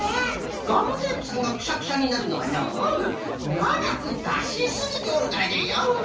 ガムテープさんがくしゃくしゃになるのはのうながくだしすぎておるからじゃよ！